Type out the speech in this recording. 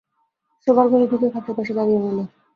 শোবার ঘরে ঢুকে খাটের পাশে দাঁড়িয়ে রইল।